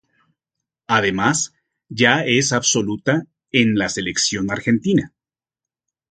Además, ya es absoluta en la Selección Argentina.